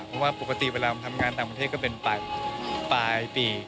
เพราะว่าปกติเวลาทำงานต่างประเทศก็เป็นปลายปี